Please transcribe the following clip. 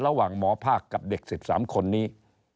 ระหว่างหมอภาคกับเด็ก๑๓คนนี้